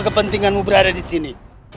kepentinganmu berada disini